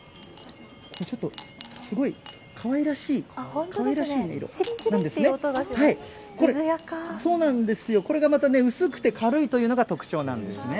ちょっとすごい、かわいらしい、ちりんちりんって音がします、そうなんですよ、これがまたね、薄くて軽いというのが特徴なんですね。